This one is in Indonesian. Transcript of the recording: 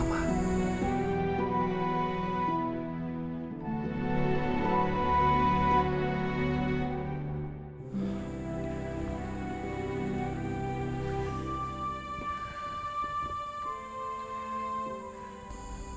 dulu waktu aku juara karate